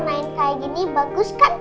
lain selain dokter